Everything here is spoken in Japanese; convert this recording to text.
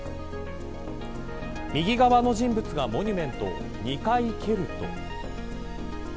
右側の人物がモニュメントを２回蹴ると。